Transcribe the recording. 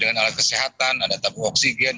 dengan alat kesehatan ada tabung oksigen